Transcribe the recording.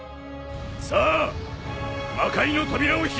さあ魔界の扉を開け！